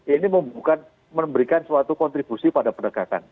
ini bukan memberikan suatu kontribusi pada penegakan